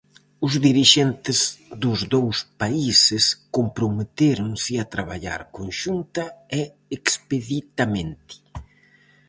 Os dirixentes dos dous países comprometéronse a traballar conxunta e expeditamente.